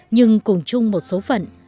nhưng cùng chung một số phận